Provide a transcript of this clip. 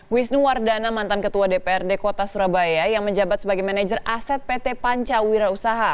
wisnu wardana mantan ketua dprd kota surabaya yang menjabat sebagai manajer aset pt pancawira usaha